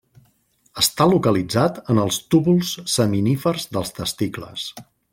Està localitzat en els túbuls seminífers dels testicles.